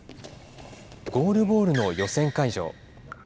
ゴールボールの予選会場。